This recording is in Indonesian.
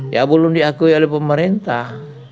ya belum diakui oleh pemerintah